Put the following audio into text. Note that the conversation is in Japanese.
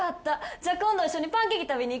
じゃあ今度一緒にパンケーキ食べに行かへん？